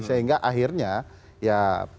sehingga akhirnya ya